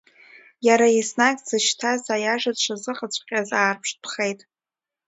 Иара еснагь дзышьҭаз аиаша дшазыҟаҵәҟьаз аарԥштәхеит.